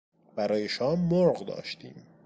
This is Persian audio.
برای شام مرغ داشتیم.